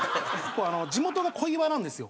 地元が小岩なんですよ。